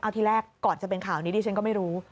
เอาทีแรกก่อนจะเป็นข่าวนี้ดิฉันก็ไม่รู้